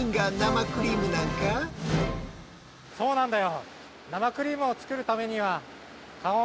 そうなんだよ。